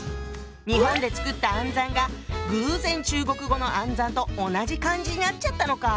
日本でつくった「暗算」が偶然中国語の「暗算」と同じ漢字になっちゃったのか。